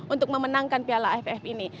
untuk memenangkan piala aff ini